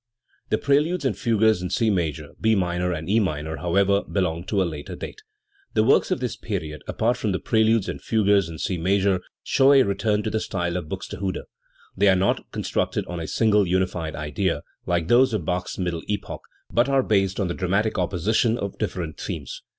The preludes and fugues in C major, B minor and E minor, however, belong to a later date. The works of this period, apart from the preludes and fugues in C major, show a return to the style of Buxte hude. They are not constructed on a single unified idea, like those of Bach's middle epoch, but are based on the dramatic opposition of different themes.